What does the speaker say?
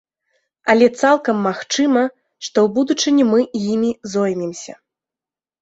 Але цалкам магчыма, што ў будучыні мы імі зоймемся.